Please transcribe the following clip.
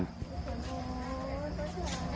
ด้วยจริก